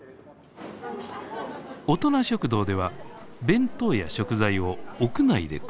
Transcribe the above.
大人食堂では弁当や食材を屋内で配りました。